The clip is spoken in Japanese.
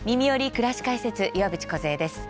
くらし解説」岩渕梢です。